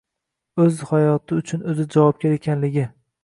O‘z hayoti uchun o‘zi javobgar ekanligi.